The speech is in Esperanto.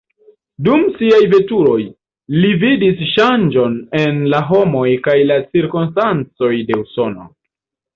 Dum siaj veturoj, li vidis ŝanĝon en la homoj kaj la cirkonstancoj de Usono.